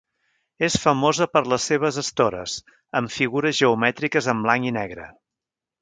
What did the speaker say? És famosa per les seves estores, amb figures geomètriques en blanc i negre.